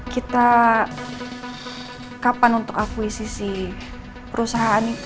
kita kapan untuk akuisisi perusahaan itu